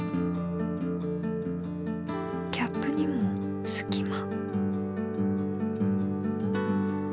キャップにもすき間。